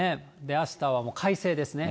あしたはもう快晴ですね。